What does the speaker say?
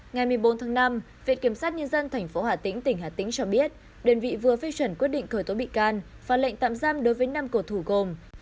ngày một mươi bốn tháng năm viện kiểm sát nhân dân tp hà tĩnh tỉnh hà tĩnh cho biết đơn vị vừa phê chuẩn quyết định khởi tố bị can và lệnh tạm giam đối với năm cổ thủ gồm